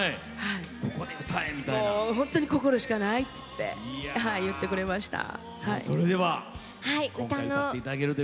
心しかないって言ってくれました。